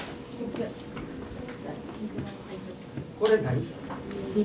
これ何？